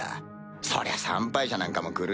そりゃ参拝者なんかも来るんや。